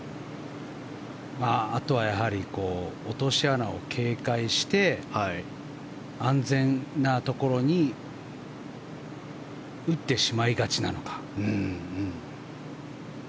あとはやはり落とし穴を警戒して安全なところに打ってしまいがちなのか。